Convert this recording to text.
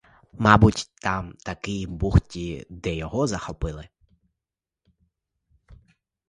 Мабуть, там-таки в бухті, де його захопили.